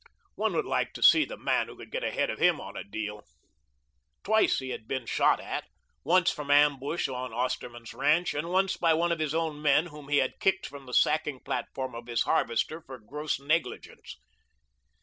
One would like to see the man who could get ahead of him on a deal. Twice he had been shot at, once from ambush on Osterman's ranch, and once by one of his own men whom he had kicked from the sacking platform of his harvester for gross negligence.